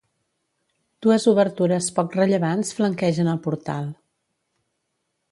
Dues obertures poc rellevants flanquegen el portal.